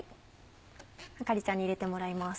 あかりちゃんに入れてもらいます。